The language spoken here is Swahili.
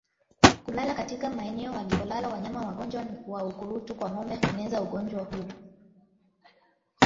Kulala katika maeneo walipolala wanyama wagonjwa wa ukurutu kwa ngombe hueneza ugonjwa huu